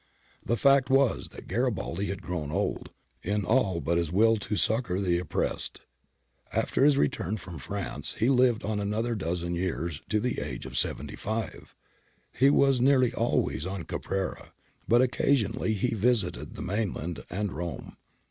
The fact was that Garibaldi had grown old, in all but his will to succour the oppressed. After his return from France he lived on another dozen years, to the age of seventy five. He was nearly always on Caprera, but occasionally he visited the mainland and Rome.